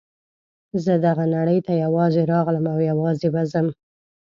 زه دغه نړۍ ته یوازې راغلم او یوازې به ځم.